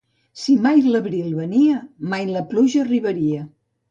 Si mai l'abril venia, mai la pluja arribaria.